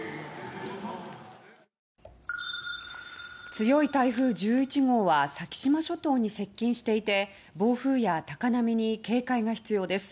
強い台風１１号は先島諸島に接近していて暴風や高波に警戒が必要です。